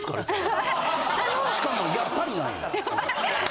しかも「やっぱり」なんや。